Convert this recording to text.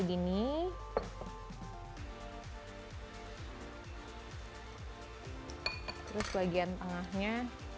ini terus bagian tengahnya